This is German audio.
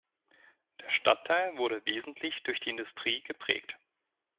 Der Stadtteil wurde wesentlich durch die Industrie geprägt.